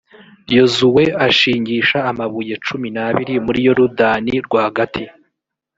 yozuwe ashingisha amabuye cumi n’abiri muri yorudani rwagati.